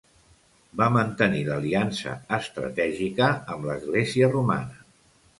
Va mantenir l'aliança estratègica amb l'església romana.